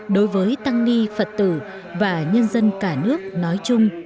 đối với tăng ni phật tử và nhân dân cả nước nói chung